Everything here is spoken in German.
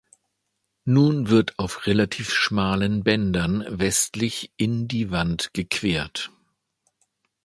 Nun wird auf relativ schmalen Bändern westlich in die Wand gequert.